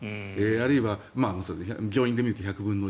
あるいは上院で見ると１００分の１０。